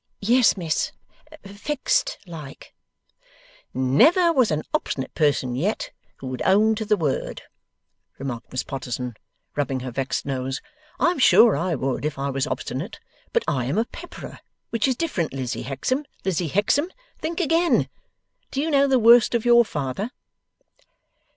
'Yes, Miss. Fixed like.' 'Never was an obstinate person yet, who would own to the word!' remarked Miss Potterson, rubbing her vexed nose; 'I'm sure I would, if I was obstinate; but I am a pepperer, which is different. Lizzie Hexam, Lizzie Hexam, think again. Do you know the worst of your father?